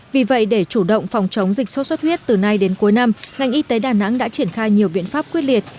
vì vậy để chủ động phòng chống dịch sốt xuất huyết từ nay đến cuối năm ngành y tế đà nẵng đã triển khai nhiều biện pháp quyết liệt